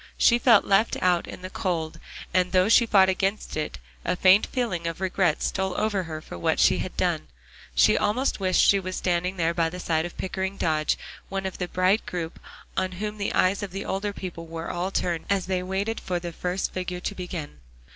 She felt left out in the cold; and though she fought against it, a faint feeling of regret stole over her for what she had done. She almost wished she was standing there by the side of Pickering Dodge, one of the bright group on whom the eyes of the older people were all turned, as they waited for the first figure to begin.